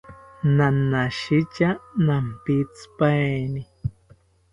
Nanashita nampitzipaeni